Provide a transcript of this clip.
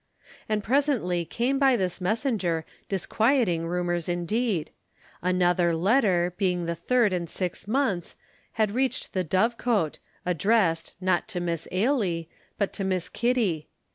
And presently came by this messenger disquieting rumors indeed. Another letter, being the third in six months, had reached the Dovecot, addressed, not to Miss Ailie, but to Miss Kitty.